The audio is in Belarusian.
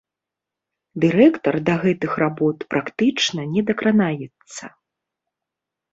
Дырэктар да гэтых работ практычна не дакранаецца.